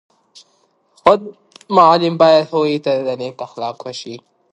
خود معلم باید هغوی ته نیک اخلاق وښيي.